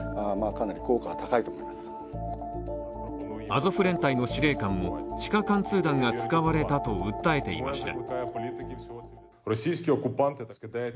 アゾフ連隊の司令官も地下貫通弾が使われたと訴えていました